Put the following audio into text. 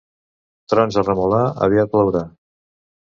Trons a Remolar, aviat plourà.